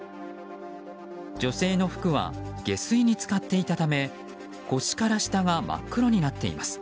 女性の服は下水に浸かっていたため腰から下が真っ黒になっています。